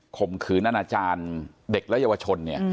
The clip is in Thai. ขมขืนนานอาจารย์เด็กและเยาวชน